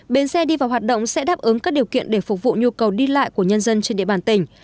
bến xe đi vào hoạt động sẽ đáp ứng các điều kiện để phục vụ nhu cầu đi lại của nhân dân trên địa bàn tỉnh